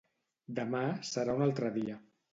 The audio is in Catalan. Demà serà un altre dia